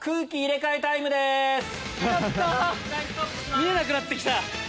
見えなくなって来た。